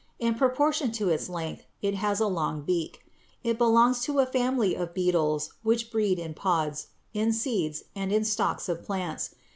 In proportion to its length it has a long beak. It belongs to a family of beetles which breed in pods, in seeds, and in stalks of plants.